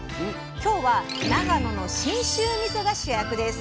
今日は長野の信州みそが主役です！